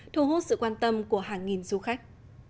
thu hút sự quan tâm của hàng nghìn du khách